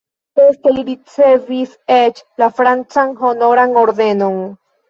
Poste li ricevis eĉ la francan Honoran Ordenon.